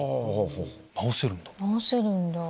治せるんだ。